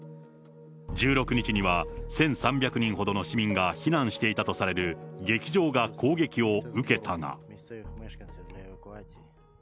１６日には、１３００人ほどの市民が避難していたとされる劇場が攻撃を受けたが。